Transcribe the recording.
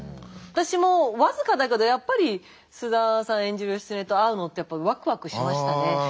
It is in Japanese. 私も僅かだけどやっぱり菅田さん演じる義経と会うのってやっぱワクワクしましたね。